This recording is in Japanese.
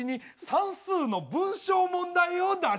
算数の文章問題とな。